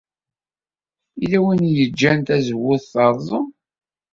Yella win yeǧǧan tazewwut terẓem.